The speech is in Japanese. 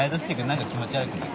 何か気持ち悪くない？